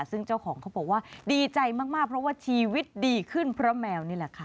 ซึ่งเจ้าของเขาบอกว่าดีใจมากเพราะว่าชีวิตดีขึ้นเพราะแมวนี่แหละค่ะ